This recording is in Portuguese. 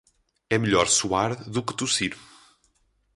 É melhor suar do que tossir.